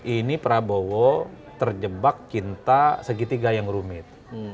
ini prabowo terjebak cinta segitiga yang rumit